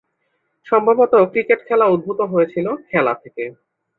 সম্ভবত ক্রিকেট খেলা উদ্ভূত হয়েছিলো খেলা থেকে।